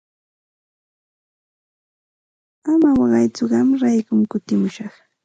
Ama waqaytsu qamraykum kutimushaq.